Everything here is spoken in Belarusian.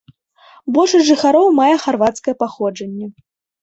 Большасць жыхароў мае харвацкае паходжанне.